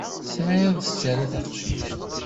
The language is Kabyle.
Tesɛiḍ sser a taqcict.